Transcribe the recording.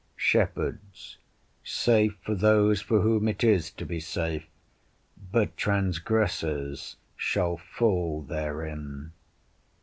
Shepherds Safe for those for whom it is to be safe, "but transgressors shall fall therein."